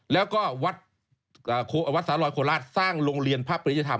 แล้วก็วัฒนสรรรอยโครลาศสร้างโรงเรียนภาพประเทศธรรม